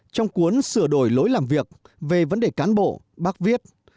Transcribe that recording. trong cuốn sửa đổi lối làm việc về vấn đề cán bộ bác viết